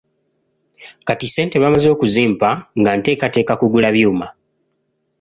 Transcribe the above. Kati ssente bamaze okuzimpa, nga nteekateeka kugula byuma.